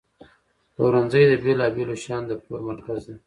پلورنځی د بیلابیلو شیانو د پلور مرکز دی.